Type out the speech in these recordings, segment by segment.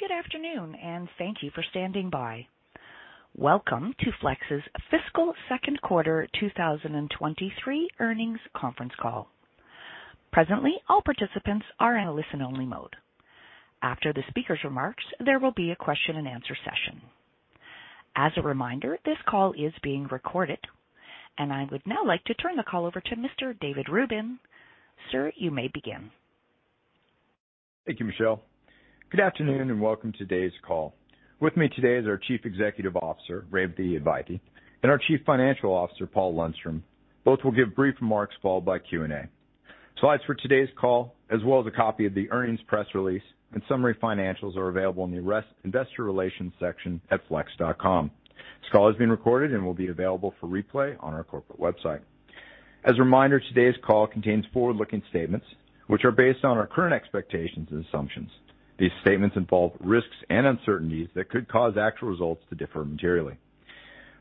Good afternoon, and thank you for standing by. Welcome to Flex's fiscal second quarter 2023 earnings conference call. Presently, all participants are in a listen-only mode. After the speaker's remarks, there will be a question-and-answer session. As a reminder, this call is being recorded. I would now like to turn the call over to Mr. David Rubin. Sir, you may begin. Thank you, Michelle. Good afternoon, and welcome to today's call. With me today is our Chief Executive Officer, Revathi Advaithi, and our Chief Financial Officer, Paul Lundstrom. Both will give brief remarks followed by Q&A. Slides for today's call, as well as a copy of the earnings press release and summary financials are available in the investor relations section at flex.com. This call is being recorded and will be available for replay on our corporate website. As a reminder, today's call contains forward-looking statements which are based on our current expectations and assumptions. These statements involve risks and uncertainties that could cause actual results to differ materially.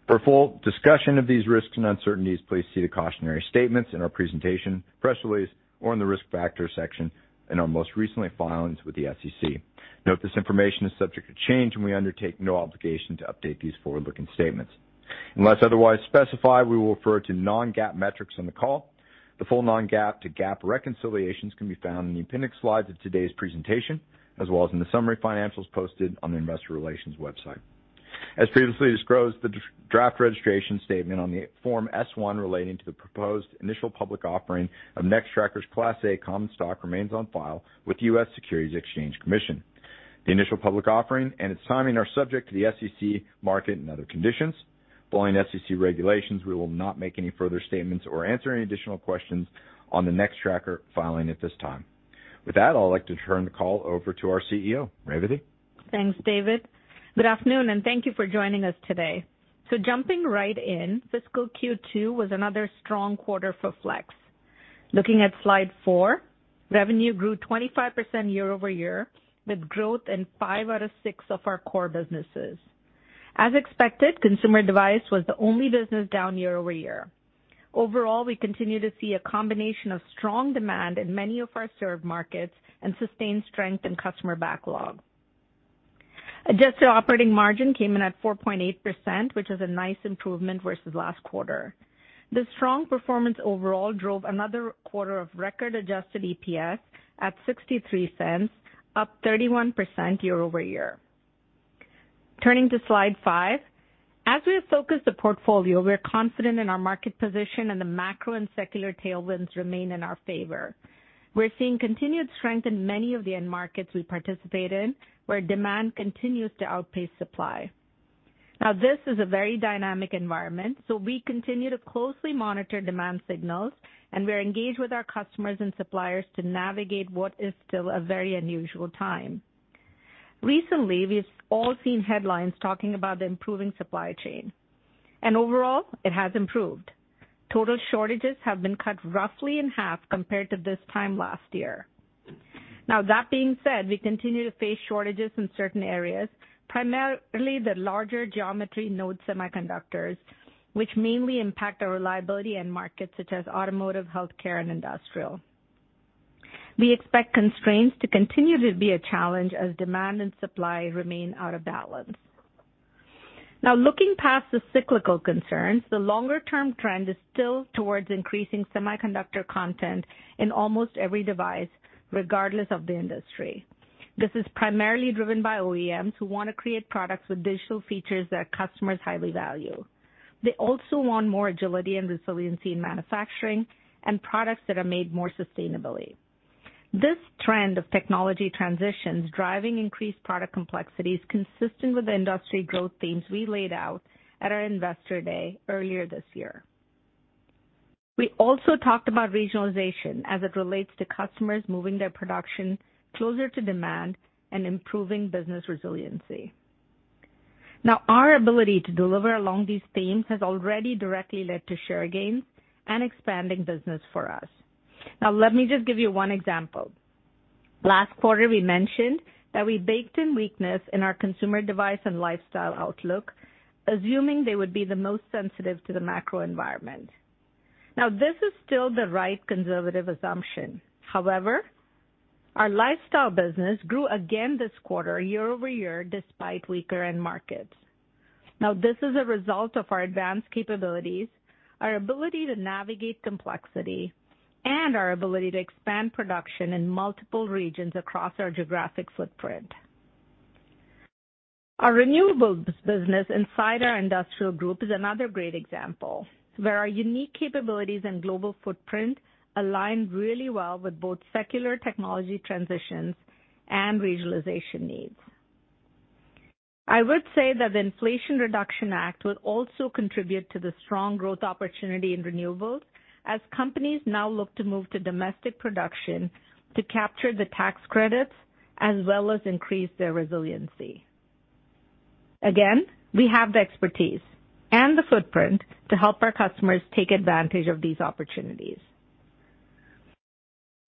For a full discussion of these risks and uncertainties, please see the cautionary statements in our presentation, press release, or in the Risk Factors section in our most recent filings with the SEC. Note this information is subject to change, and we undertake no obligation to update these forward-looking statements. Unless otherwise specified, we will refer to non-GAAP metrics on the call. The full non-GAAP to GAAP reconciliations can be found in the appendix slides of today's presentation, as well as in the summary financials posted on the investor relations website. As previously disclosed, the draft registration statement on Form S-1 relating to the proposed initial public offering of Nextracker's Class A common stock remains on file with the U.S. Securities and Exchange Commission. The initial public offering and its timing are subject to the SEC, market and other conditions. Following SEC regulations, we will not make any further statements or answer any additional questions on the Nextracker filing at this time. With that, I'd like to turn the call over to our CEO, Revathi. Thanks, David. Good afternoon, and thank you for joining us today. Jumping right in, fiscal Q2 was another strong quarter for Flex. Looking at slide four, revenue grew 25% year-over-year, with growth in five out of six of our core businesses. As expected, consumer device was the only business down year-over-year. Overall, we continue to see a combination of strong demand in many of our served markets and sustained strength in customer backlog. Adjusted operating margin came in at 4.8%, which is a nice improvement versus last quarter. This strong performance overall drove another quarter of record Adjusted EPS at $0.63, up 31% year-over-year. Turning to slide five. As we have focused the portfolio, we are confident in our market position and the macro and secular tailwinds remain in our favor. We're seeing continued strength in many of the end markets we participate in, where demand continues to outpace supply. Now, this is a very dynamic environment, so we continue to closely monitor demand signals, and we're engaged with our customers and suppliers to navigate what is still a very unusual time. Recently, we've all seen headlines talking about the improving supply chain. Overall, it has improved. Total shortages have been cut roughly in half compared to this time last year. Now, that being said, we continue to face shortages in certain areas, primarily the larger geometry node semiconductors, which mainly impact our reliability in markets such as automotive, healthcare, and industrial. We expect constraints to continue to be a challenge as demand and supply remain out of balance. Now, looking past the cyclical concerns, the longer-term trend is still towards increasing semiconductor content in almost every device, regardless of the industry. This is primarily driven by OEMs who wanna create products with digital features that customers highly value. They also want more agility and resiliency in manufacturing and products that are made more sustainably. This trend of technology transitions driving increased product complexity is consistent with the industry growth themes we laid out at our Investor Day earlier this year. We also talked about regionalization as it relates to customers moving their production closer to demand and improving business resiliency. Now, our ability to deliver along these themes has already directly led to share gains and expanding business for us. Now, let me just give you one example. Last quarter, we mentioned that we baked in weakness in our consumer device and lifestyle outlook, assuming they would be the most sensitive to the macro environment. Now, this is still the right conservative assumption. However, our lifestyle business grew again this quarter year-over-year despite weaker end markets. Now, this is a result of our advanced capabilities, our ability to navigate complexity, and our ability to expand production in multiple regions across our geographic footprint. Our renewables business inside our industrial group is another great example, where our unique capabilities and global footprint align really well with both secular technology transitions and regionalization needs. I would say that the Inflation Reduction Act will also contribute to the strong growth opportunity in renewables as companies now look to move to domestic production to capture the tax credits as well as increase their resiliency. Again, we have the expertise and the footprint to help our customers take advantage of these opportunities.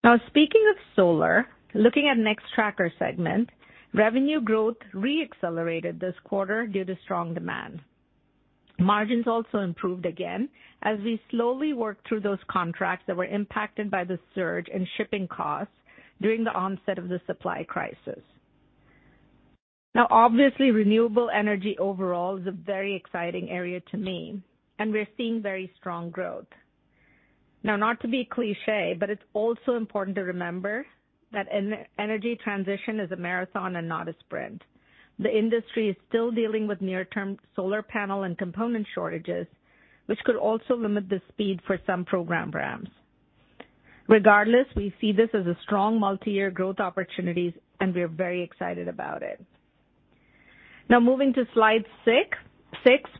Now speaking of solar, looking at Nextracker segment, revenue growth re-accelerated this quarter due to strong demand. Margins also improved again as we slowly worked through those contracts that were impacted by the surge in shipping costs during the onset of the supply crisis. Now obviously, renewable energy overall is a very exciting area to me, and we're seeing very strong growth. Now not to be cliché, but it's also important to remember that energy transition is a marathon and not a sprint. The industry is still dealing with near-term solar panel and component shortages, which could also limit the speed for some programs. Regardless, we see this as a strong multi-year growth opportunities, and we are very excited about it. Now moving to slide six.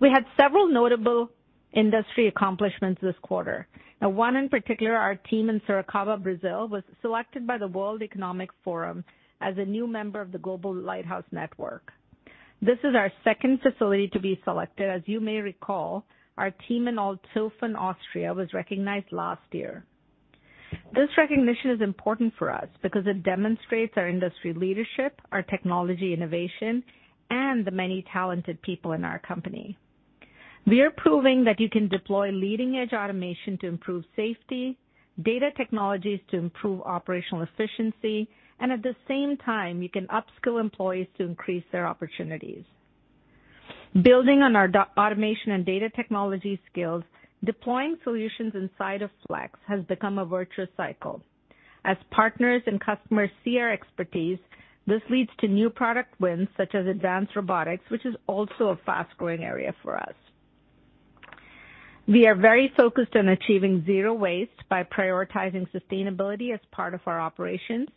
We had several notable industry accomplishments this quarter. Now one in particular, our team in Sorocaba, Brazil, was selected by the World Economic Forum as a new member of the Global Lighthouse Network. This is our second facility to be selected. As you may recall, our team in Althofen, Austria, was recognized last year. This recognition is important for us because it demonstrates our industry leadership, our technology innovation, and the many talented people in our company. We are proving that you can deploy leading-edge automation to improve safety, data technologies to improve operational efficiency, and at the same time, you can upskill employees to increase their opportunities. Building on our data automation and data technology skills, deploying solutions inside of Flex has become a virtuous cycle. As partners and customers see our expertise, this leads to new product wins such as advanced robotics, which is also a fast-growing area for us. We are very focused on achieving zero waste by prioritizing sustainability as part of our operations,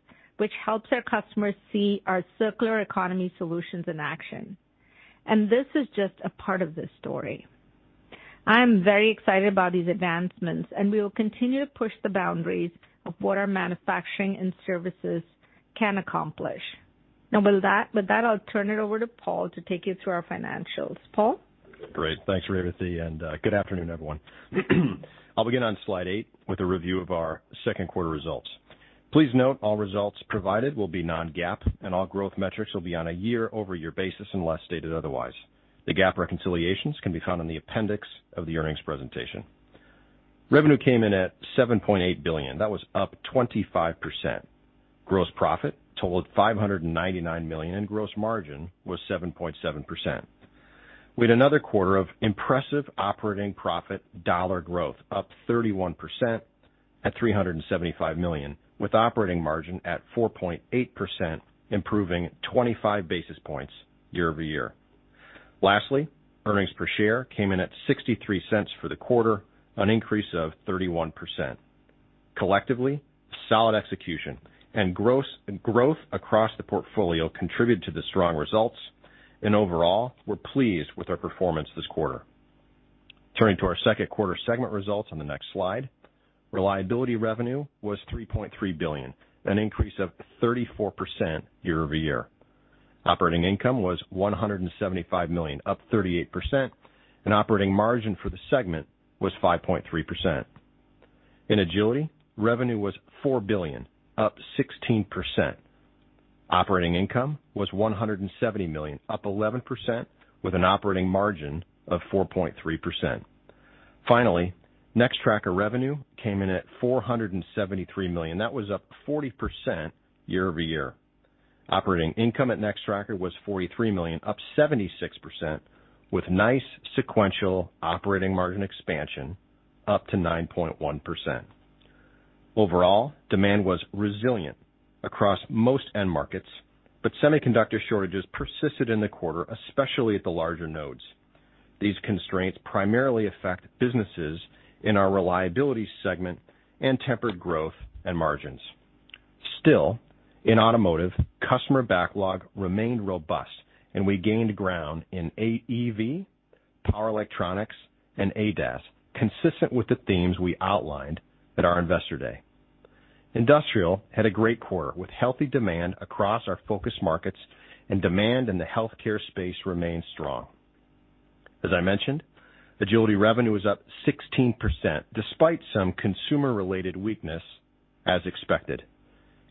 which helps our customers see our circular economy solutions in action. This is just a part of the story. I am very excited about these advancements, and we will continue to push the boundaries of what our manufacturing and services can accomplish. Now with that, I'll turn it over to Paul to take you through our financials. Paul. Great. Thanks, Revathi, and good afternoon, everyone. I'll begin on slide eight with a review of our second quarter results. Please note all results provided will be non-GAAP, and all growth metrics will be on a year-over-year basis unless stated otherwise. The GAAP reconciliations can be found in the appendix of the earnings presentation. Revenue came in at $7.8 billion. That was up 25%. Gross profit totaled $599 million, and gross margin was 7.7%. We had another quarter of impressive operating profit dollar growth, up 31% at $375 million, with operating margin at 4.8%, improving 25 basis points year-over-year. Lastly, earnings per share came in at $0.63 for the quarter, an increase of 31%. Collectively, solid execution and gross growth across the portfolio contributed to the strong results, and overall, we're pleased with our performance this quarter. Turning to our second quarter segment results on the next slide. Reliability revenue was $3.3 billion, an increase of 34% year-over-year. Operating income was $175 million, up 38%, and operating margin for the segment was 5.3%. In Agility, revenue was $4 billion, up 16%. Operating income was $170 million, up 11%, with an operating margin of 4.3%. Finally, Nextracker revenue came in at $473 million. That was up 40% year-over-year. Operating income at Nextracker was $43 million, up 76%, with nice sequential operating margin expansion up to 9.1%. Overall, demand was resilient across most end markets, but semiconductor shortages persisted in the quarter, especially at the larger nodes. These constraints primarily affect businesses in our reliability segment and tempered growth and margins. Still, in automotive, customer backlog remained robust, and we gained ground in AEV, power electronics, and ADAS, consistent with the themes we outlined at our Investor Day. Industrial had a great quarter with healthy demand across our focus markets, and demand in the healthcare space remained strong. As I mentioned, Agility revenue was up 16% despite some consumer-related weakness as expected.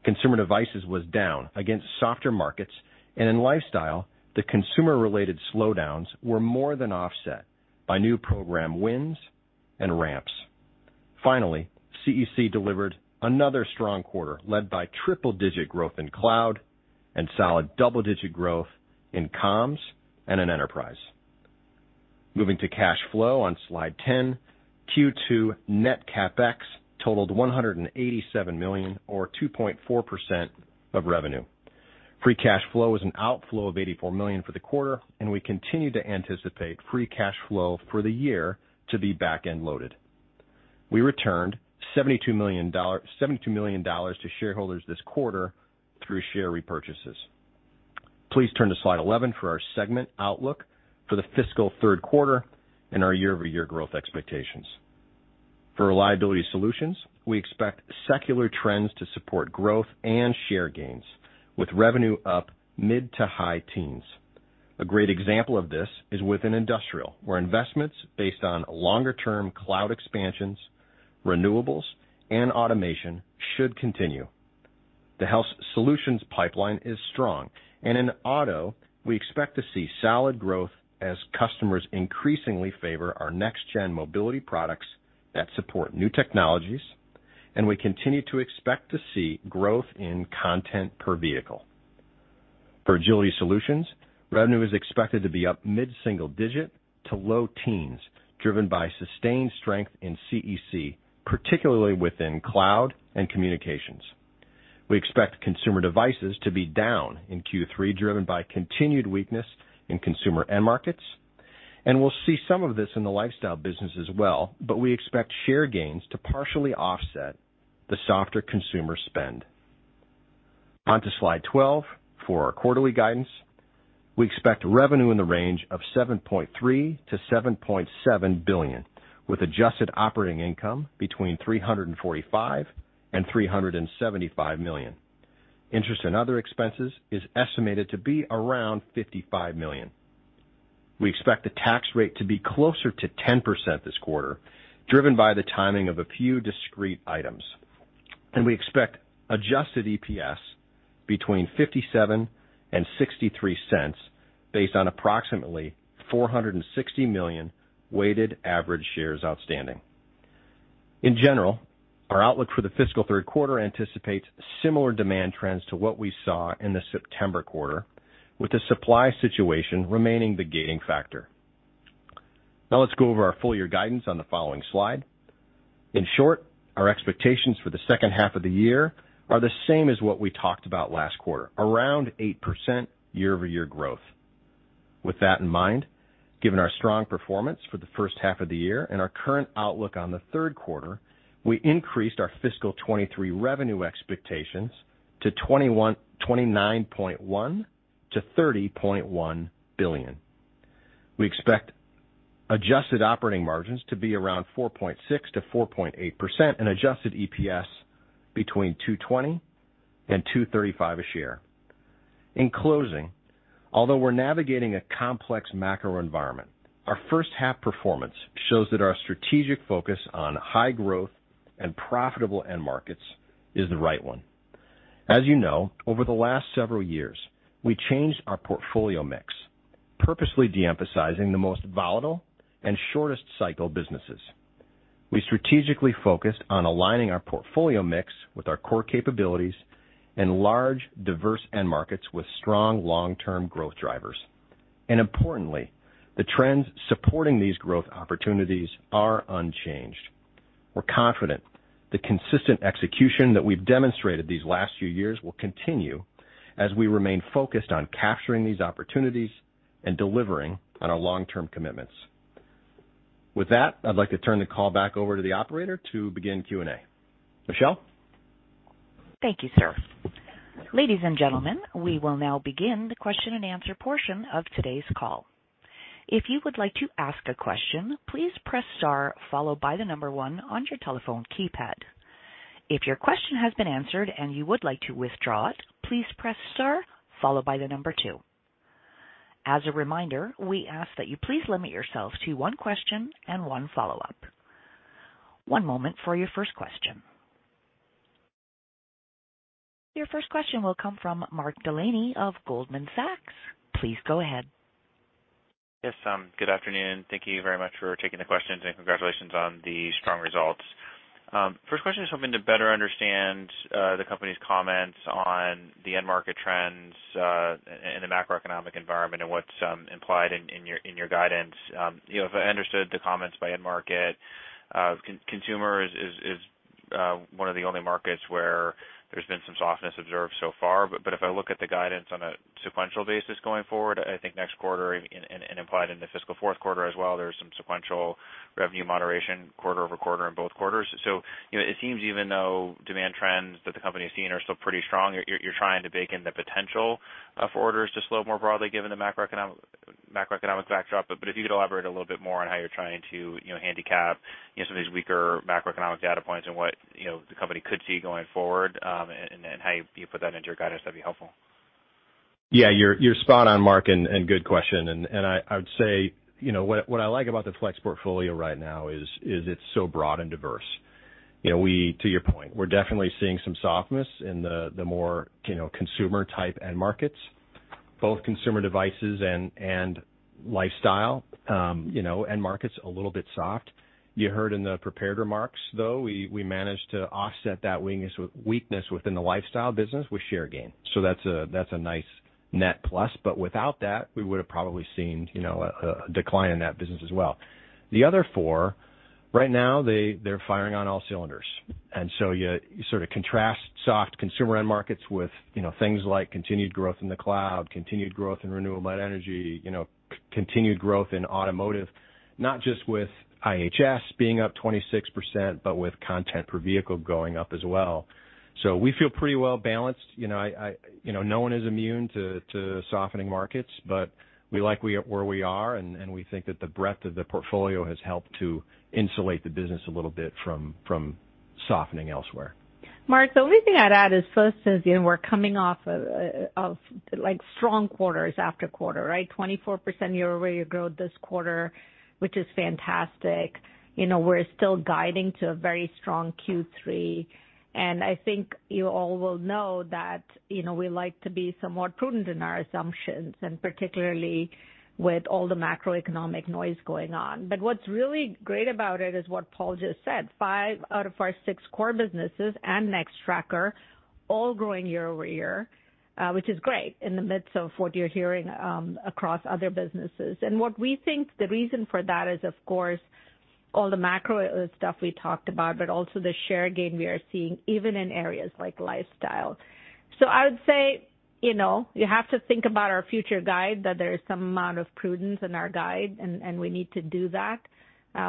Consumer devices was down against softer markets, and in lifestyle, the consumer-related slowdowns were more than offset by new program wins and ramps. Finally, CEC delivered another strong quarter led by triple-digit growth in cloud and solid double-digit growth in comms and in enterprise. Moving to cash flow on slide 10. Q2 net CapEx totaled $187 million or 2.4% of revenue. Free cash flow was an outflow of $84 million for the quarter, and we continue to anticipate free cash flow for the year to be back-end loaded. We returned $72 million to shareholders this quarter through share repurchases. Please turn to slide 11 for our segment outlook for the fiscal third quarter and our year-over-year growth expectations. For reliability solutions, we expect secular trends to support growth and share gains, with revenue up mid- to high-teens. A great example of this is within industrial, where investments based on longer-term cloud expansions, renewables, and automation should continue. The health solutions pipeline is strong. In auto, we expect to see solid growth as customers increasingly favor our next gen mobility products that support new technologies, and we continue to expect to see growth in content per vehicle. For Agility Solutions, revenue is expected to be up mid-single digit to low teens, driven by sustained strength in CEC, particularly within cloud and communications. We expect consumer devices to be down in Q3, driven by continued weakness in consumer end markets, and we'll see some of this in the lifestyle business as well. We expect share gains to partially offset the softer consumer spend. On to slide 12 for our quarterly guidance. We expect revenue in the range of $7.3 billion-$7.7 billion, with adjusted operating income between $345 million-$375 million. Interest and other expenses is estimated to be around $55 million. We expect the tax rate to be closer to 10% this quarter, driven by the timing of a few discrete items. We expect Adjusted EPS between $0.57 and $0.63 based on approximately 460 million weighted average shares outstanding. In general, our outlook for the fiscal third quarter anticipates similar demand trends to what we saw in the September quarter, with the supply situation remaining the gating factor. Now let's go over our full year guidance on the following slide. In short, our expectations for the second half of the year are the same as what we talked about last quarter, around 8% year-over-year growth. With that in mind, given our strong performance for the first half of the year and our current outlook on the third quarter, we increased our fiscal 2023 revenue expectations to $29.1 billion-$30.1 billion. We expect adjusted operating margins to be around 4.6%-4.8% and Adjusted EPS between $2.20 and $2.35 a share. In closing, although we're navigating a complex macro environment, our first half performance shows that our strategic focus on high growth and profitable end markets is the right one. As you know, over the last several years, we changed our portfolio mix, purposely de-emphasizing the most volatile and shortest cycle businesses. We strategically focused on aligning our portfolio mix with our core capabilities and large, diverse end markets with strong long-term growth drivers. Importantly, the trends supporting these growth opportunities are unchanged. We're confident the consistent execution that we've demonstrated these last few years will continue as we remain focused on capturing these opportunities and delivering on our long-term commitments. With that, I'd like to turn the call back over to the operator to begin Q&A. Michelle? Thank you, sir. Ladies and gentlemen, we will now begin the question-and-answer portion of today's call. If you would like to ask a question, please press star followed by the number one on your telephone keypad. If your question has been answered and you would like to withdraw it, please press star followed by the number two. As a reminder, we ask that you please limit yourself to one question and one follow-up. One moment for your first question. Your first question will come from Mark Delaney of Goldman Sachs. Please go ahead. Yes, good afternoon. Thank you very much for taking the questions, and congratulations on the strong results. First question is hoping to better understand the company's comments on the end market trends in the macroeconomic environment and what's implied in your guidance. You know, if I understood the comments by end market, consumer is one of the only markets where there's been some softness observed so far. If I look at the guidance on a sequential basis going forward, I think next quarter and implied in the fiscal fourth quarter as well, there's some sequential revenue moderation quarter-over-quarter in both quarters. you know, it seems even though demand trends that the company has seen are still pretty strong, you're trying to bake in the potential for orders to slow more broadly given the macroeconomic backdrop. But if you could elaborate a little bit more on how you're trying to, you know, handicap some of these weaker macroeconomic data points and what, you know, the company could see going forward, and how you put that into your guidance, that'd be helpful. Yeah, you're spot on, Mark, and good question. I would say, you know, what I like about the Flex portfolio right now is it's so broad and diverse. You know, to your point, we're definitely seeing some softness in the more, you know, consumer type end markets, both consumer devices and lifestyle, you know, end markets a little bit soft. You heard in the prepared remarks, though, we managed to offset that weakness within the lifestyle business with share gain. That's a nice net plus. Without that, we would have probably seen, you know, a decline in that business as well. The other four, right now, they're firing on all cylinders. You sort of contrast soft consumer end markets with, you know, things like continued growth in the cloud, continued growth in renewable energy, you know, continued growth in automotive, not just with IHS being up 26%, but with content per vehicle going up as well. We feel pretty well balanced. You know, I you know, no one is immune to softening markets, but we like where we are, and we think that the breadth of the portfolio has helped to insulate the business a little bit from softening elsewhere. Mark, the only thing I'd add first is, you know, we're coming off of like strong quarters after quarter, right? 24% year-over-year growth this quarter, which is fantastic. You know, we're still guiding to a very strong Q3. I think you all will know that, you know, we like to be somewhat prudent in our assumptions, and particularly with all the macroeconomic noise going on. What's really great about it is what Paul just said, five out of our six core businesses and Nextracker all growing year-over-year, which is great in the midst of what you're hearing across other businesses. What we think the reason for that is, of course, all the macro stuff we talked about, but also the share gain we are seeing even in areas like lifestyle. I would say, you know, you have to think about our future guide, that there is some amount of prudence in our guide, and we need to do that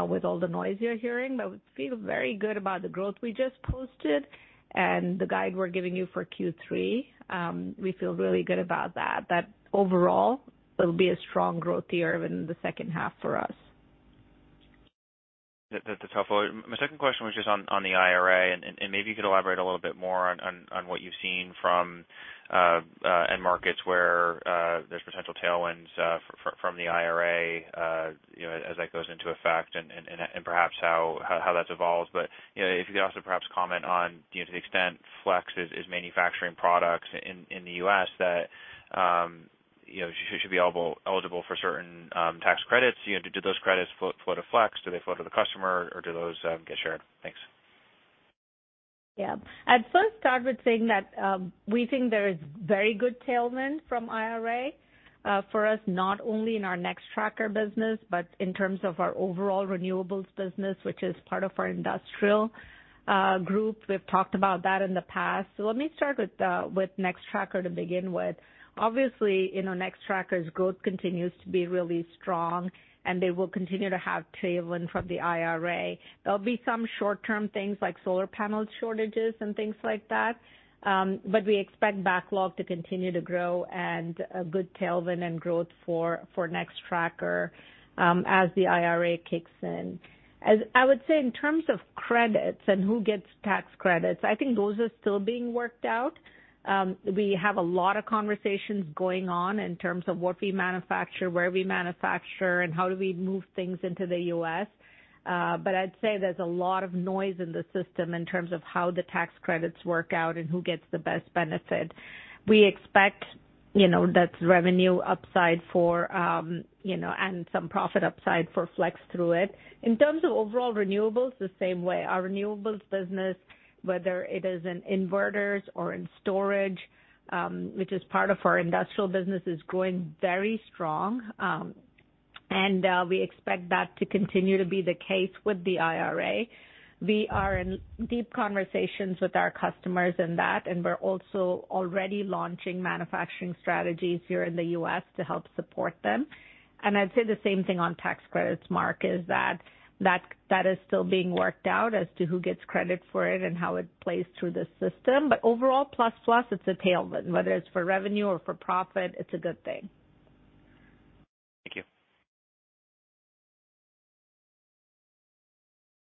with all the noise you're hearing. We feel very good about the growth we just posted and the guide we're giving you for Q3. We feel really good about that overall it'll be a strong growth year in the second half for us. That, that's helpful. My second question was just on the IRA, and maybe you could elaborate a little bit more on what you've seen from end markets where there's potential tailwinds from the IRA, you know, as that goes into effect and perhaps how that's evolved. You know, if you could also perhaps comment on, you know, to the extent Flex is manufacturing products in the U.S. that should be eligible for certain tax credits. You know, do those credits flow to Flex? Do they flow to the customer or do those get shared? Thanks. Yeah. I'd first start with saying that, we think there is very good tailwind from IRA, for us, not only in our Nextracker business, but in terms of our overall renewables business, which is part of our industrial, group. We've talked about that in the past. Let me start with Nextracker to begin with. Obviously, you know, Nextracker's growth continues to be really strong and they will continue to have tailwind from the IRA. There'll be some short-term things like solar panel shortages and things like that, but we expect backlog to continue to grow and a good tailwind and growth for Nextracker, as the IRA kicks in. As I would say, in terms of credits and who gets tax credits, I think those are still being worked out. We have a lot of conversations going on in terms of what we manufacture, where we manufacture, and how do we move things into the U.S. I'd say there's a lot of noise in the system in terms of how the tax credits work out and who gets the best benefit. We expect, you know, that's revenue upside for, you know, and some profit upside for Flex through it. In terms of overall renewables, the same way. Our renewables business, whether it is in inverters or in storage, which is part of our industrial business, is growing very strong. We expect that to continue to be the case with the IRA. We are in deep conversations with our customers in that, and we're also already launching manufacturing strategies here in the U.S. to help support them. I'd say the same thing on tax credits, Mark, is that that is still being worked out as to who gets credit for it and how it plays through the system. Overall, plus it's a tailwind. Whether it's for revenue or for profit, it's a good thing. Thank you.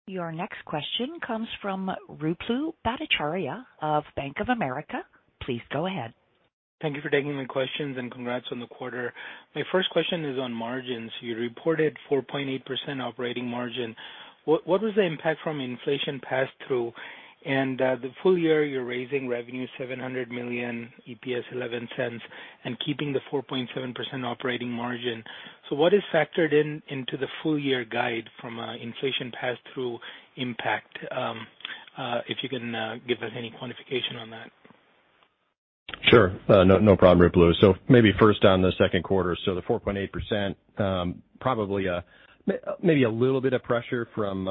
Your next question comes from Ruplu Bhattacharya of Bank of America. Please go ahead. Thank you for taking the questions and congrats on the quarter. My first question is on margins. You reported 4.8% operating margin. What was the impact from inflation pass-through? The full year, you're raising revenue $700 million, EPS $0.11, and keeping the 4.7% operating margin. What is factored in to the full year guide from inflation pass-through impact? If you can give us any quantification on that. Sure. No problem, Ruplu. Maybe first on the second quarter. The 4.8%, probably maybe a little bit of pressure from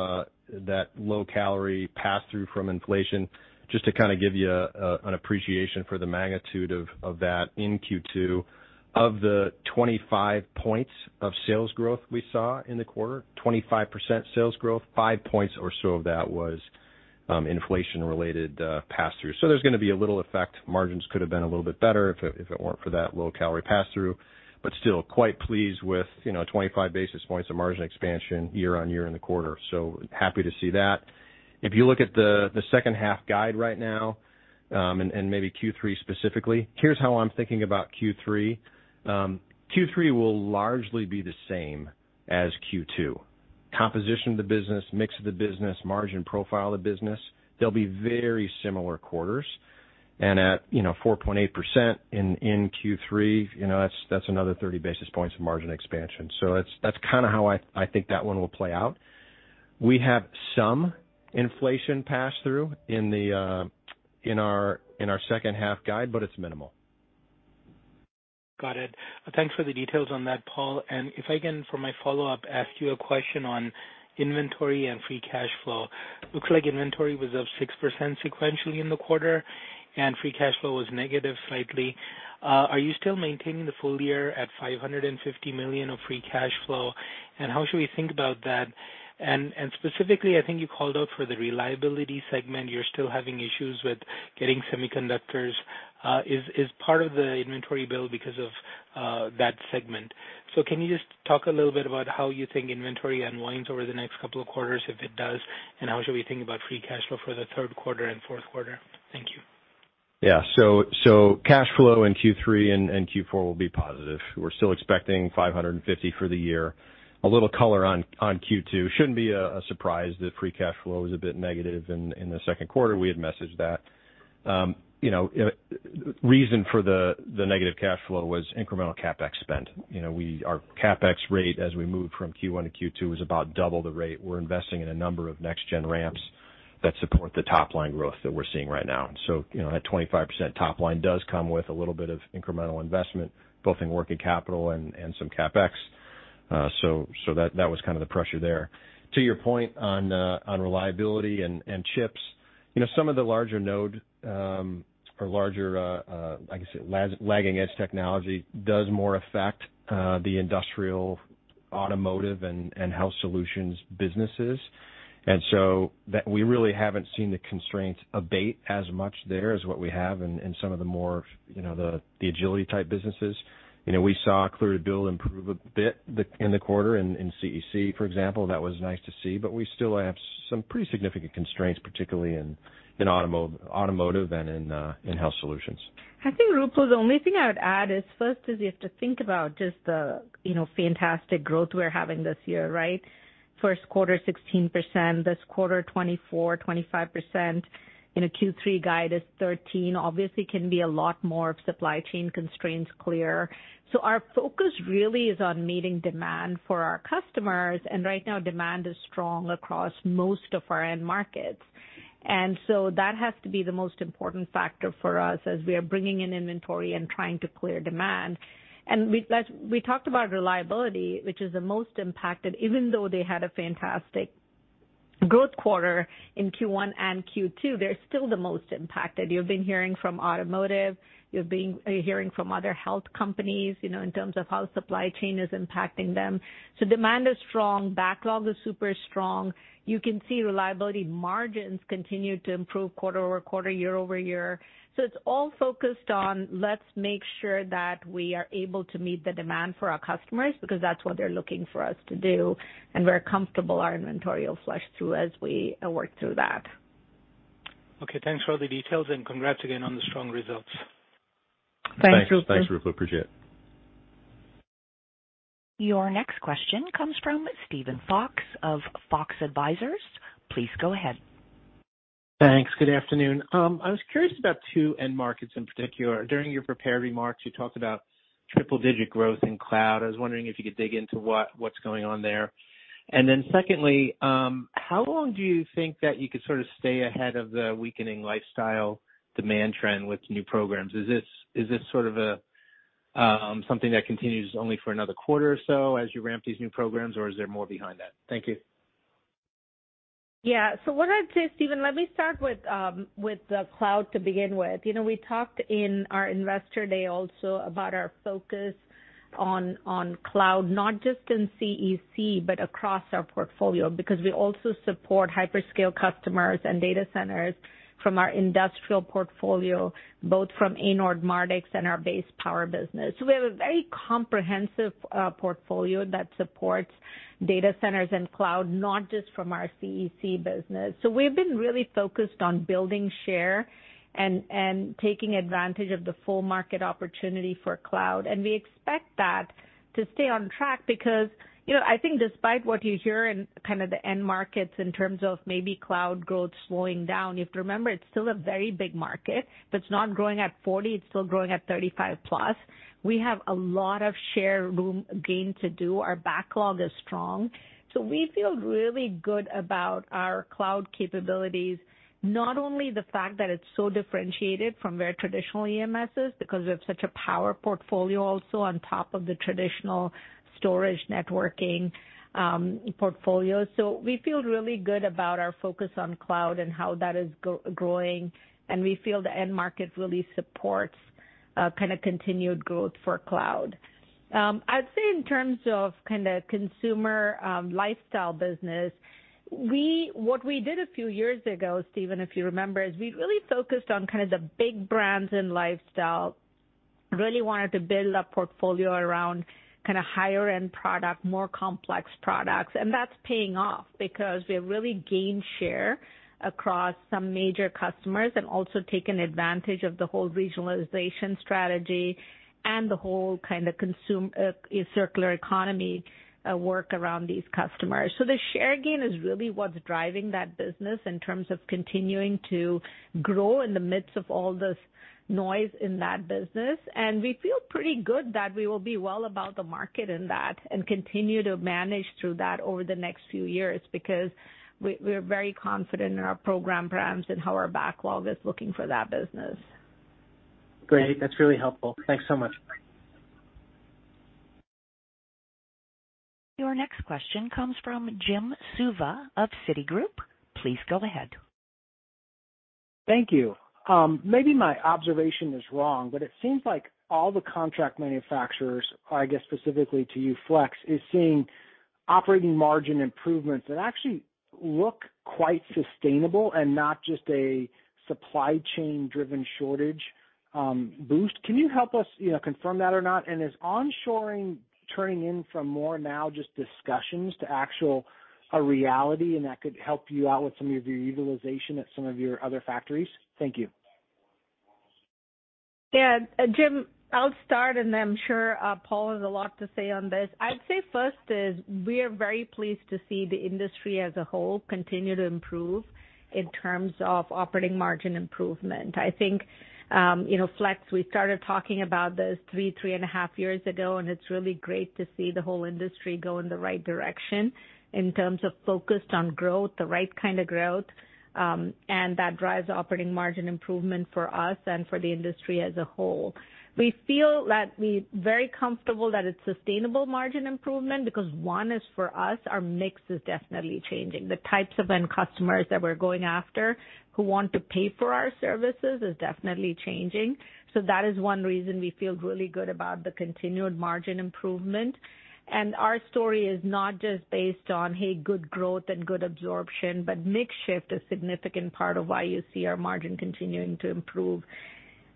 that low-calorie pass-through from inflation. Just to kind of give you an appreciation for the magnitude of that in Q2. Of the 25 points of sales growth we saw in the quarter, 25% sales growth, 5 points or so of that was inflation-related pass-through. There's gonna be a little effect. Margins could have been a little bit better if it weren't for that low-calorie pass-through. Still quite pleased with, you know, 25 basis points of margin expansion year-on-year in the quarter. Happy to see that. If you look at the second-half guide right now, and maybe Q3 specifically, here's how I'm thinking about Q3. Q3 will largely be the same as Q2. Composition of the business, mix of the business, margin profile of the business, they'll be very similar quarters. At, you know, 4.8% in Q3, you know, that's another 30 basis points of margin expansion. That's kinda how I think that one will play out. We have some inflation pass-through in our second-half guide, but it's minimal. Got it. Thanks for the details on that, Paul. If I can, for my follow-up, ask you a question on inventory and free cash flow. Looks like inventory was up 6% sequentially in the quarter, and free cash flow was negative slightly. Are you still maintaining the full year at $550 million of free cash flow, and how should we think about that? And specifically, I think you called out for the Reliability segment, you're still having issues with getting semiconductors, is part of the inventory build because of that segment. Can you just talk a little bit about how you think inventory unwinds over the next couple of quarters, if it does, and how should we think about free cash flow for the third quarter and fourth quarter? Thank you. Yeah. Cash flow in Q3 and Q4 will be positive. We're still expecting $550 for the year. A little color on Q2. Shouldn't be a surprise that free cash flow is a bit negative in the second quarter. We had messaged that. You know, reason for the negative cash flow was incremental CapEx spend. You know, our CapEx rate as we moved from Q1 to Q2 is about double the rate. We're investing in a number of next gen ramps that support the top line growth that we're seeing right now. You know, that 25% top line does come with a little bit of incremental investment, both in working capital and some CapEx. So that was kind of the pressure there. To your point on reliability and chips, you know, some of the larger node or larger, like I said, lagging edge technology does more affect the industrial, automotive, and Health Solutions businesses. That we really haven't seen the constraints abate as much there as what we have in some of the more, you know, the agility type businesses. You know, we saw clear to build improve a bit in the quarter in CEC, for example. That was nice to see. We still have some pretty significant constraints, particularly in automotive and in Health Solutions. I think, Ruplu, the only thing I would add is first is you have to think about just the, you know, fantastic growth we're having this year, right? First quarter, 16%. This quarter, 24%-25%. You know, Q3 guide is 13%. Obviously can be a lot more if supply chain constraints clear. Our focus really is on meeting demand for our customers. Right now demand is strong across most of our end markets. That has to be the most important factor for us as we are bringing in inventory and trying to clear demand. We talked about reliability, which is the most impacted. Even though they had a fantastic growth quarter in Q1 and Q2, they're still the most impacted. You've been hearing from automotive. You've been hearing from other health companies, you know, in terms of how supply chain is impacting them. Demand is strong. Backlog is super strong. You can see reliability margins continue to improve quarter-over-quarter, year-over-year. It's all focused on let's make sure that we are able to meet the demand for our customers because that's what they're looking for us to do, and we're comfortable our inventory will flush through as we work through that. Okay. Thanks for all the details, and congrats again on the strong results. Thanks, Ruplu. Thanks. Thanks, Ruplu. Appreciate it. Your next question comes from Steven Fox of Fox Advisors. Please go ahead. Thanks. Good afternoon. I was curious about two end markets in particular. During your prepared remarks, you talked about triple digit growth in cloud. I was wondering if you could dig into what's going on there. Then secondly, how long do you think that you could sort of stay ahead of the weakening lifestyle demand trend with new programs? Is this sort of a something that continues only for another quarter or so as you ramp these new programs, or is there more behind that? Thank you. Yeah. What I'd say, Steven, let me start with the cloud to begin with. You know, we talked in our Investor Day also about our focus on cloud, not just in CEC, but across our portfolio, because we also support hyperscale customers and data centers from our industrial portfolio, both from Anord Mardix and our base power business. We have a very comprehensive portfolio that supports data centers and cloud, not just from our CEC business. We've been really focused on building share and taking advantage of the full market opportunity for cloud. We expect that to stay on track because, you know, I think despite what you hear in kind of the end markets in terms of maybe cloud growth slowing down, you have to remember it's still a very big market. If it's not growing at 40%, it's still growing at 35%+. We have a lot of room to gain share. Our backlog is strong. We feel really good about our cloud capabilities. Not only the fact that it's so differentiated from very traditional EMSs because we have such a powerful portfolio also on top of the traditional storage networking portfolio. We feel really good about our focus on cloud and how that is growing, and we feel the end market really supports kind of continued growth for cloud. I'd say in terms of kinda consumer, lifestyle business, what we did a few years ago, Steven, if you remember, is we really focused on kind of the big brands in lifestyle, really wanted to build a portfolio around kinda higher end product, more complex products, and that's paying off because we have really gained share across some major customers and also taken advantage of the whole regionalization strategy and the whole kinda consumer, circular economy, work around these customers. The share gain is really what's driving that business in terms of continuing to grow in the midst of all this noise in that business. We feel pretty good that we will be well above the market in that and continue to manage through that over the next few years because we're very confident in our program ramps and how our backlog is looking for that business. Great. That's really helpful. Thanks so much. Your next question comes from Jim Suva of Citigroup. Please go ahead. Thank you. Maybe my observation is wrong, but it seems like all the contract manufacturers, I guess specifically to you, Flex, is seeing. Operating margin improvements that actually look quite sustainable and not just a supply chain-driven shortage boost. Can you help us, you know, confirm that or not? Is onshoring turning from mere discussions to actual reality, and that could help you out with some of your utilization at some of your other factories? Thank you. Yeah, Jim, I'll start, and I'm sure Paul has a lot to say on this. I'd say first is we are very pleased to see the industry as a whole continue to improve in terms of operating margin improvement. I think, you know, Flex, we started talking about this three and a half years ago, and it's really great to see the whole industry go in the right direction in terms of focused on growth, the right kind of growth, and that drives operating margin improvement for us and for the industry as a whole. We feel that we very comfortable that it's sustainable margin improvement because one is for us, our mix is definitely changing. The types of end customers that we're going after who want to pay for our services is definitely changing. That is one reason we feel really good about the continued margin improvement. Our story is not just based on, hey, good growth and good absorption, but mix shift is significant part of why you see our margin continuing to improve.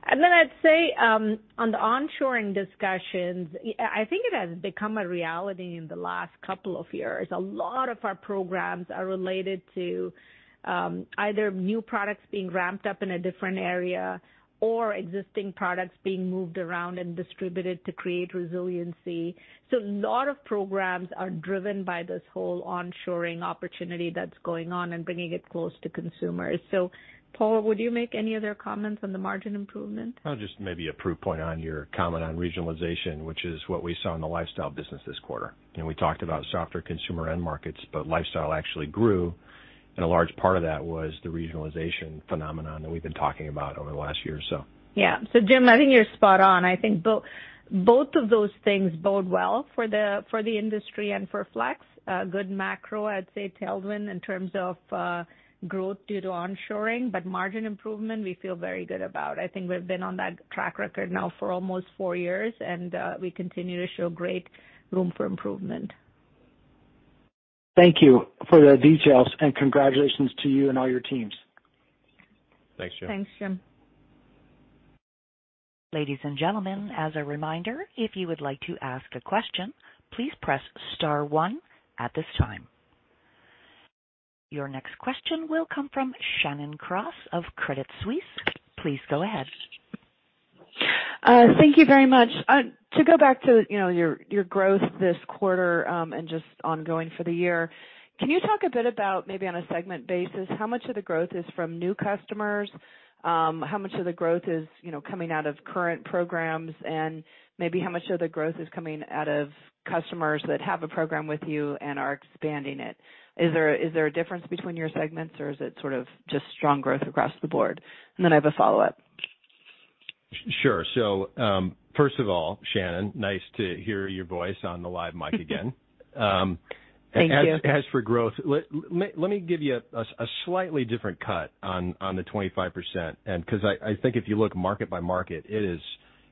Then I'd say, on the onshoring discussions, I think it has become a reality in the last couple of years. A lot of our programs are related to, either new products being ramped up in a different area or existing products being moved around and distributed to create resiliency. A lot of programs are driven by this whole onshoring opportunity that's going on and bringing it close to consumers. Paul, would you make any other comments on the margin improvement? I'll just maybe a proof point on your comment on regionalization, which is what we saw in the lifestyle business this quarter. We talked about softer consumer end markets, but lifestyle actually grew, and a large part of that was the regionalization phenomenon that we've been talking about over the last year or so. Yeah. Jim, I think you're spot on. I think both of those things bode well for the industry and for Flex. Good macro, I'd say, tailwind in terms of growth due to onshoring. Margin improvement, we feel very good about. I think we've been on that track record now for almost four years, and we continue to show great room for improvement. Thank you for the details, and congratulations to you and all your teams. Thanks, Jim. Thanks, Jim. Ladies and gentlemen, as a reminder, if you would like to ask a question, please press star one at this time. Your next question will come from Shannon Cross of Credit Suisse. Please go ahead. Thank you very much. To go back to, you know, your growth this quarter, and just ongoing for the year. Can you talk a bit about maybe on a segment basis, how much of the growth is from new customers? How much of the growth is, you know, coming out of current programs? And maybe how much of the growth is coming out of customers that have a program with you and are expanding it? Is there a difference between your segments, or is it sort of just strong growth across the board? And then I have a follow-up. Sure. First of all, Shannon, nice to hear your voice on the live mic again. Thank you. As for growth, let me give you a slightly different cut on the 25%. Because I think if you look market by market,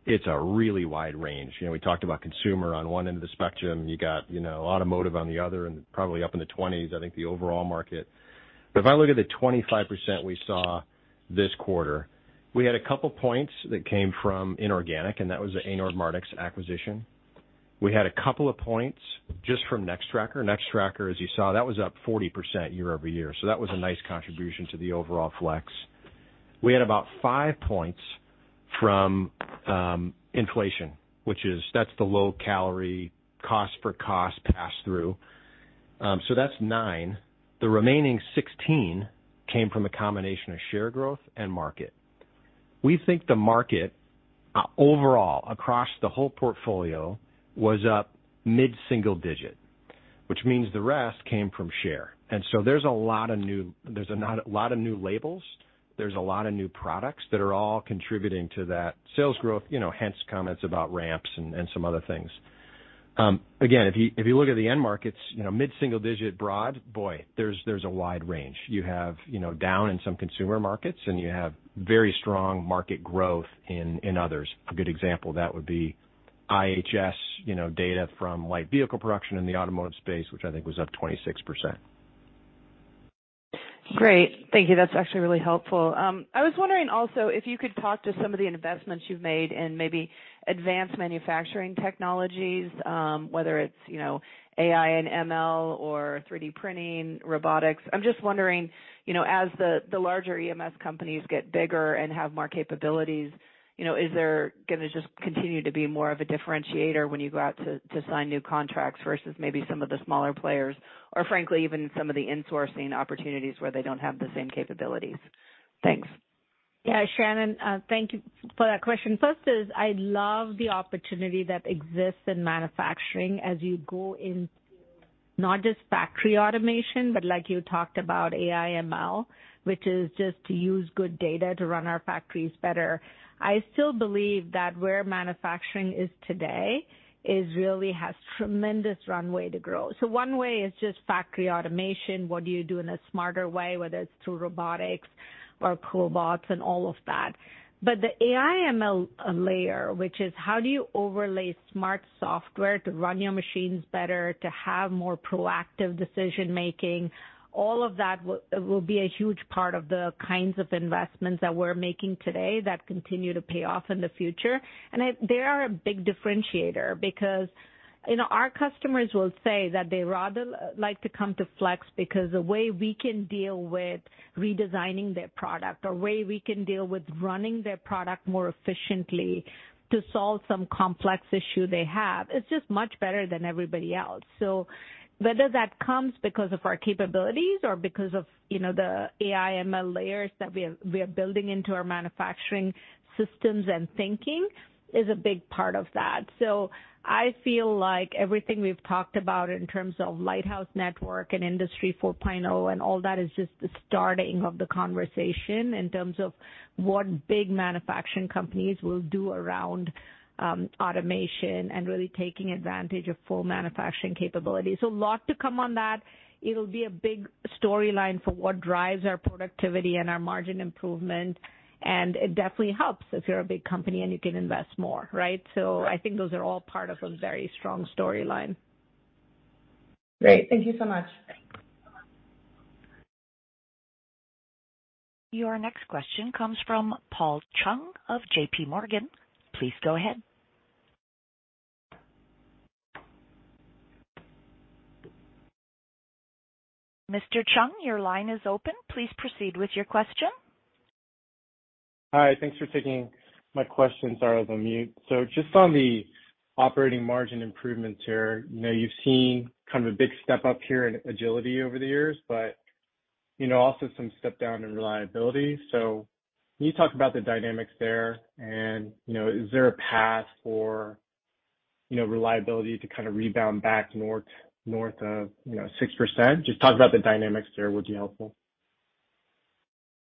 it's a really wide range. You know, we talked about consumer on one end of the spectrum. You got, you know, automotive on the other and probably up in the 20s, I think the overall market. If I look at the 25% we saw this quarter, we had a couple points that came from inorganic, and that was the Anord Mardix acquisition. We had a couple of points just from Nextracker. Nextracker, as you saw, that was up 40% year-over-year. That was a nice contribution to the overall Flex. We had about 5 points from inflation, which is, that's the low-hanging cost-to-cost pass-through. That's 9. The remaining 16 came from a combination of share growth and market. We think the market overall across the whole portfolio was up mid-single digit, which means the rest came from share. There's a lot of new labels. There's a lot of new products that are all contributing to that sales growth, you know, hence comments about ramps and some other things. Again, if you look at the end markets, you know, mid-single digit broadly. There's a wide range. You have, you know, down in some consumer markets, and you have very strong market growth in others. A good example of that would be IHS Markit data from light vehicle production in the automotive space, which I think was up 26%. Great. Thank you. That's actually really helpful. I was wondering also if you could talk to some of the investments you've made in maybe advanced manufacturing technologies, whether it's, you know, AI and ML or 3D printing, robotics. I'm just wondering, you know, as the larger EMS companies get bigger and have more capabilities, you know, is there gonna just continue to be more of a differentiator when you go out to sign new contracts versus maybe some of the smaller players, or frankly, even some of the insourcing opportunities where they don't have the same capabilities? Thanks. Yeah. Shannon, thank you for that question. First is, I love the opportunity that exists in manufacturing as you go into not just factory automation, but like you talked about AI/ML, which is just to use good data to run our factories better. I still believe that where manufacturing is today is really has tremendous runway to grow. One way is just factory automation. What do you do in a smarter way, whether it's through robotics or cobots and all of that. The AI/ML layer, which is how do you overlay smart software to run your machines better, to have more proactive decision making, all of that will be a huge part of the kinds of investments that we're making today that continue to pay off in the future. They are a big differentiator because, you know, our customers will say that they rather like to come to Flex because the way we can deal with redesigning their product or way we can deal with running their product more efficiently to solve some complex issue they have, it's just much better than everybody else. Whether that comes because of our capabilities or because of, you know, the AI/ML layers that we are building into our manufacturing systems and thinking is a big part of that. I feel like everything we've talked about in terms of Lighthouse Network and Industry 4.0 and all that is just the starting of the conversation in terms of what big manufacturing companies will do around automation and really taking advantage of full manufacturing capabilities. A lot to come on that. It'll be a big storyline for what drives our productivity and our margin improvement. It definitely helps if you're a big company and you can invest more, right? I think those are all part of a very strong storyline. Great. Thank you so much. Your next question comes from Paul Chung of JP Morgan. Please go ahead. Mr. Chung, your line is open. Please proceed with your question. Hi, thanks for taking my question. Sorry I was on mute. Just on the operating margin improvements here. I know you've seen kind of a big step-up here in Agility over the years, but, you know, also some step down in reliability. Can you talk about the dynamics there? You know, is there a path for, you know, reliability to kind of rebound back north of, you know, 6%? Just talk about the dynamics there would be helpful.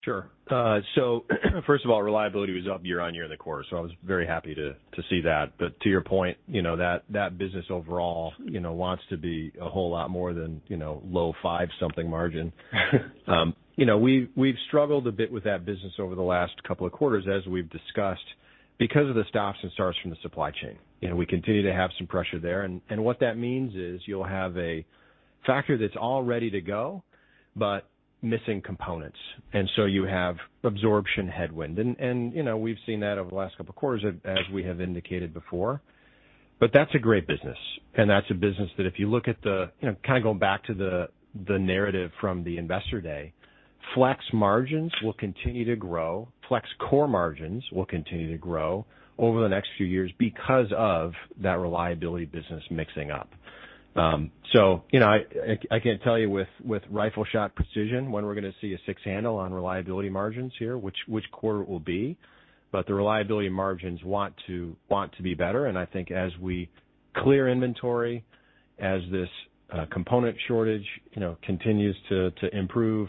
Sure. First of all, reliability was up year-on-year in the quarter, so I was very happy to see that. To your point, you know, that business overall, you know, wants to be a whole lot more than, you know, low five something margin. You know, we've struggled a bit with that business over the last couple of quarters, as we've discussed, because of the stops and starts from the supply chain. You know, we continue to have some pressure there. You know, we've seen that over the last couple of quarters, as we have indicated before. That's a great business, and that's a business that if you look at the, you know, going back to the narrative from the Investor Day, Flex margins will continue to grow. Flex core margins will continue to grow over the next few years because of that reliability business mixing up. You know, I can't tell you with rifle shot precision when we're gonna see a six handle on reliability margins here, which quarter it will be, but the reliability margins want to be better. I think as we clear inventory, as this component shortage, you know, continues to improve,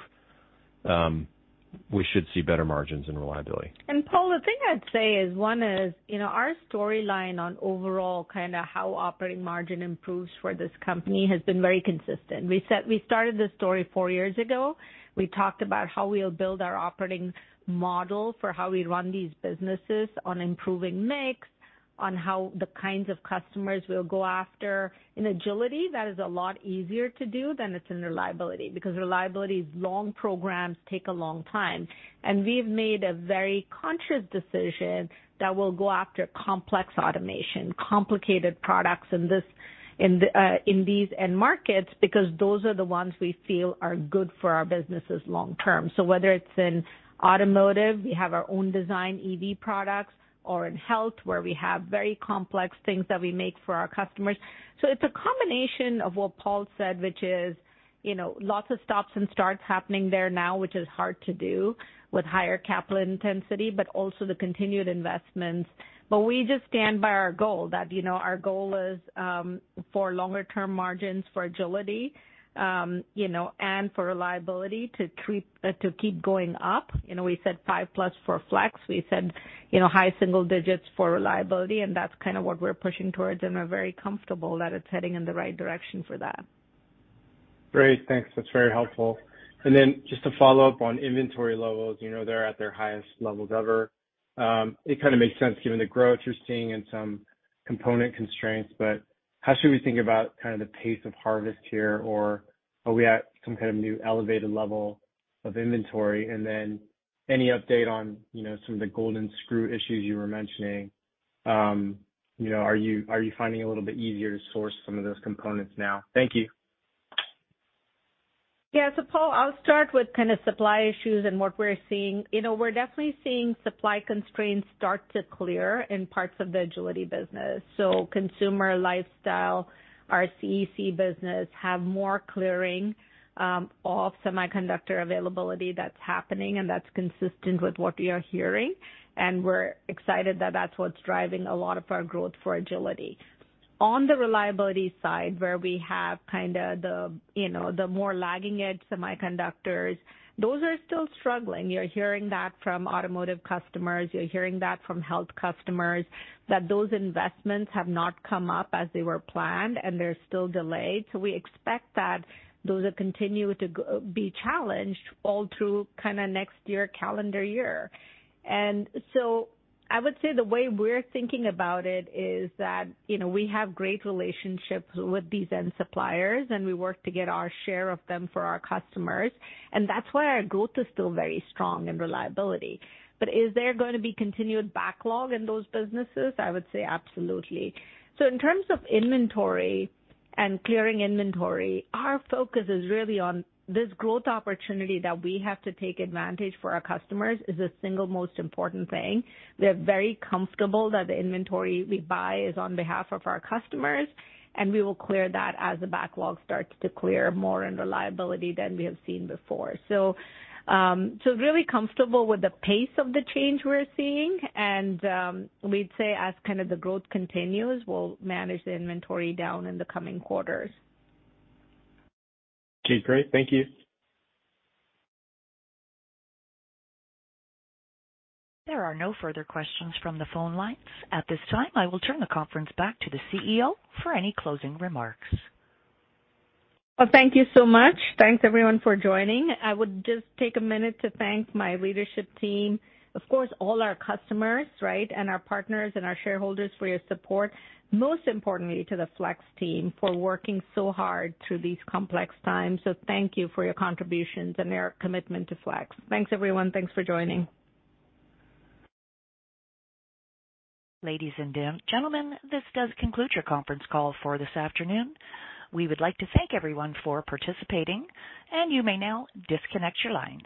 we should see better margins in reliability. Paul, the thing I'd say is, one is, you know, our storyline on overall kind of how operating margin improves for this company has been very consistent. We said we started this story four years ago. We talked about how we'll build our operating model for how we run these businesses on improving mix, on how the kinds of customers we'll go after. In Agility, that is a lot easier to do than it's in reliability, because reliability's long programs take a long time. We've made a very conscious decision that we'll go after complex automation, complicated products in this, in the, in these end markets, because those are the ones we feel are good for our businesses long term. Whether it's in automotive, we have our own design EV products, or in health, where we have very complex things that we make for our customers. It's a combination of what Paul said, which is, you know, lots of stops and starts happening there now, which is hard to do with higher capital intensity, but also the continued investments. We just stand by our goal that, you know, our goal is, for longer term margins for Agility, you know, and for reliability to keep going up. You know, we said 5+ for Flex. We said, you know, high single digits for reliability, and that's kind of what we're pushing towards, and we're very comfortable that it's heading in the right direction for that. Great. Thanks. That's very helpful. Then just to follow up on inventory levels, you know, they're at their highest levels ever. It kind of makes sense given the growth you're seeing and some component constraints, but how should we think about kind of the pace of harvest here? Or are we at some kind of new elevated level of inventory? Then any update on, you know, some of the golden screw issues you were mentioning? You know, are you finding it a little bit easier to source some of those components now? Thank you. Yeah. Paul, I'll start with kind of supply issues and what we're seeing. You know, we're definitely seeing supply constraints start to clear in parts of the Agility business. Consumer lifestyle, our CEC business, have more clearing of semiconductor availability that's happening, and that's consistent with what we are hearing. And we're excited that that's what's driving a lot of our growth for Agility. On the reliability side, where we have kinda the, you know, the more lagging edge semiconductors, those are still struggling. You're hearing that from automotive customers, you're hearing that from health customers, that those investments have not come up as they were planned, and they're still delayed. We expect that those will continue to be challenged all through kinda next year, calendar year. I would say the way we're thinking about it is that, you know, we have great relationships with these end suppliers, and we work to get our share of them for our customers. That's why our growth is still very strong in reliability. Is there gonna be continued backlog in those businesses? I would say absolutely. In terms of inventory and clearing inventory, our focus is really on this growth opportunity that we have to take advantage for our customers, is the single most important thing. We're very comfortable that the inventory we buy is on behalf of our customers, and we will clear that as the backlog starts to clear more in reliability than we have seen before. Really comfortable with the pace of the change we're seeing, and we'd say as kind of the growth continues, we'll manage the inventory down in the coming quarters. Okay, great. Thank you. There are no further questions from the phone lines. At this time, I will turn the conference back to the CEO for any closing remarks. Well, thank you so much. Thanks, everyone, for joining. I would just take a minute to thank my leadership team, of course, all our customers, right, and our partners and our shareholders for your support. Most importantly, to the Flex team for working so hard through these complex times. Thank you for your contributions and their commitment to Flex. Thanks, everyone. Thanks for joining. Ladies and gentlemen, this does conclude your conference call for this afternoon. We would like to thank everyone for participating, and you may now disconnect your lines.